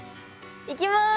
いきます！